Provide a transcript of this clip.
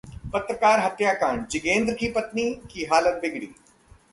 पत्रकार हत्याकांड: जगेंद्र की पत्नी की हालत बिगड़ी